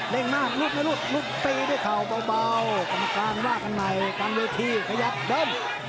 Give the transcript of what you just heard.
เร่งมารุดไม่รุดรุดตีด้วยเข่าเบากรรมการว่ากันในการเวทีขยับเดิน